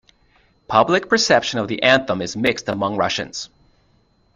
Public perception of the anthem is mixed among Russians.